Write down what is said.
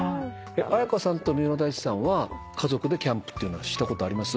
絢香さんと三浦大知さんは家族でキャンプっていうのはしたことあります？